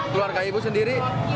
keluarga ibu sendiri